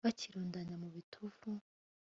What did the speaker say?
bakirundanya mu bitovu